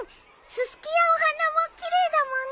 ススキやお花も奇麗だもんね。